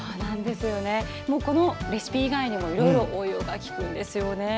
このレシピ以外にもいろいろ応用が利くんです。